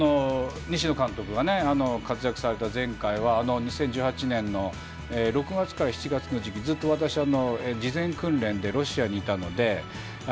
西野監督が活躍された前回は２０１８年の６月から７月の時期ずっと私は事前訓練でロシアにいたので。